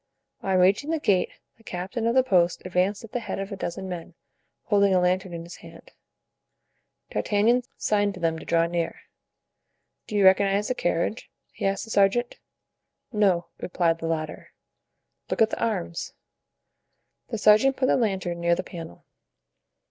On reaching the gate the captain of the post advanced at the head of a dozen men, holding a lantern in his hand. D'Artagnan signed to them to draw near. "Do you recognize the carriage?" he asked the sergeant. "No," replied the latter. "Look at the arms." The sergeant put the lantern near the panel.